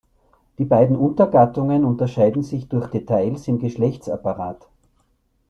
Die beiden Untergattungen unterscheiden sich durch Details im Geschlechtsapparat.